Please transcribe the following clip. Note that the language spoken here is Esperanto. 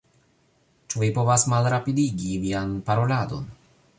"Ĉu vi povas malrapidigi vian paroladon?"